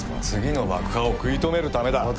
次の爆破を食い止めるためだ